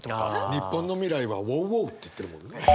日本の未来はＷｏｗＷｏｗって言ってるもんね。